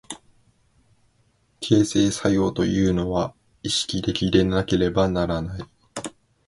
形成作用というのは機械的でもなく単なる合目的的でもない、意識的でなければならない。